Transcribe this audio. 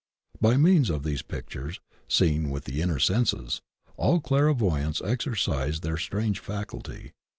By means of these pic tures, seen with the inner senses, all clairvoyants exer cise their strange faculty.